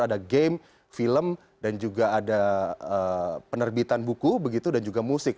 ada game film dan juga ada penerbitan buku begitu dan juga musik